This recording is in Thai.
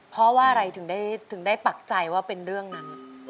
เพราะว่าอะไรถึงได้ปักใจว่าเป็นเรื่องนั้น